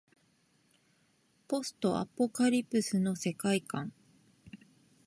ポストアポカリプスの世界観